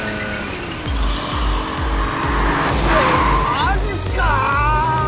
マジっすかぁ